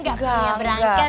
gak punya berangkas kan